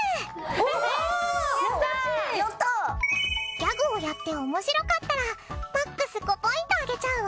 ギャグをやって面白かったらＭＡＸ５ポイントあげちゃうわ。